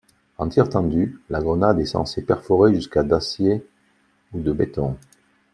En tir tendu, la grenade est censée perforer jusqu'à d'acier ou de béton.